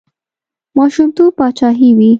ماشومتوب پاچاهي وي.